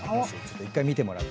１回見てもらって。